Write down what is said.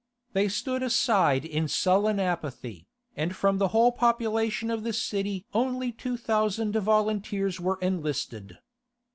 They stood aside in sullen apathy, and from the whole population of the city only two thousand volunteers were enlisted.